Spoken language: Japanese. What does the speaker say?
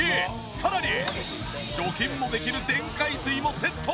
さらに除菌もできる電解水もセット！